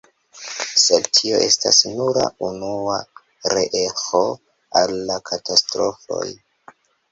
Sed tio estas nura unua reeĥo al la katastrofoj.